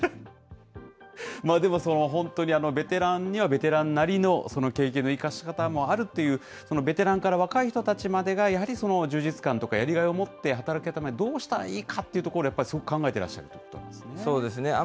でも本当に、ベテランにはベテランなりの経験の生かし方もあるっていう、ベテランから若い人たちまでが、やはり充実感とかやりがいを持って働くためには、どうしたらいいかっていう、やっぱりすごく考えてらそうですね。